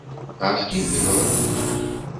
А з кім ты гаварыў?